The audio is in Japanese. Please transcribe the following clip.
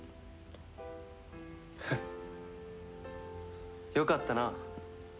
フッよかったな。